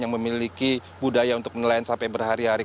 yang memiliki budaya untuk nelayan sampai berhari hari